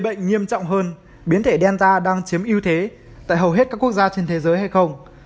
bệnh nghiêm trọng hơn biến thể delta đang chiếm ưu thế tại hầu hết các quốc gia trên thế giới hay không